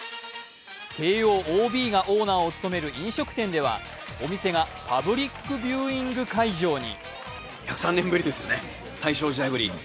慶応ＯＢがオーナーを務める飲食店ではお店がパブリックビューイング会場に。